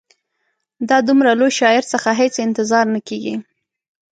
دا د دومره لوی شاعر څخه هېڅ انتظار نه کیږي.